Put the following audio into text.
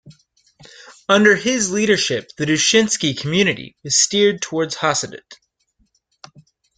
Under his leadership the Dushinsky community was steered towards Hasidut.